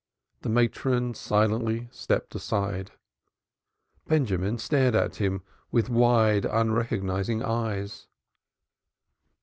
The matron silently stepped aside. Benjamin stared at him with wide, unrecognizing eyes.